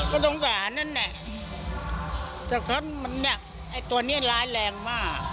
ก็สงสารนะเนี่ยแต่เขาเนี่ยไอ้ตัวเนี่ยร้ายแรงมาก